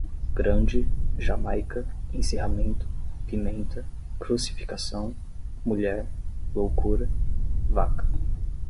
grande, jamaica, encerramento, pimenta, crucificação, mulher, loucura, vaca